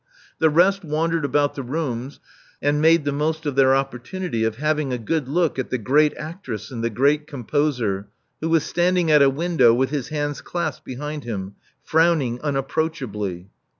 The rest wandered about the rooms, and made the most of their opportunity of having a good look at the great actress and the great composer, who was standing at a window with his hands clasped behind him, frowning unapproachably.